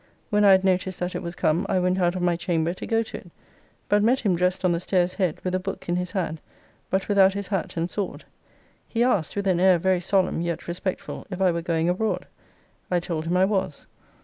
When I had noticed that it was come, I went out of my chamber to go to it; but met him dressed on the stairs head, with a book in his hand, but without his hat and sword. He asked, with an air very solemn yet respectful, if I were going abroad. I told him I was.